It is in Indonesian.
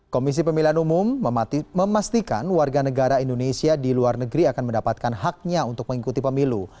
komisi pemilihan umum memastikan warga negara indonesia di luar negeri akan mendapatkan haknya untuk mengikuti pemilu